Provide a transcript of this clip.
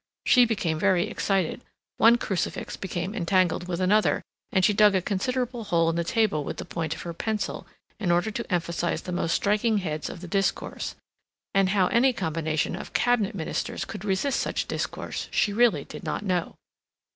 She became much excited; one crucifix became entangled with another, and she dug a considerable hole in the table with the point of her pencil in order to emphasize the most striking heads of the discourse; and how any combination of Cabinet Ministers could resist such discourse she really did not know.